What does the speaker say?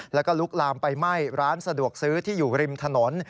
แล้วก็ลุกลามไปไหม้ร้านสะดวกซื้อที่อยู่ริมถนน